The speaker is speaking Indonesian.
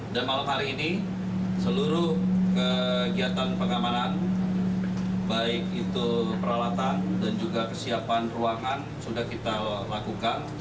dan malam hari ini seluruh kegiatan pengamanan baik itu peralatan dan juga kesiapan ruangan sudah kita lakukan